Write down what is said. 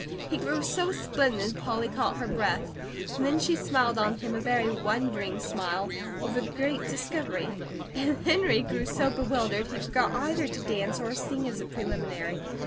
He grew so splendid, Polly caught her breath, and then she smiled on him a very wondering smile, over the great discovery; and Henry grew so bewildered he forgot either to dance or sing as a preliminary.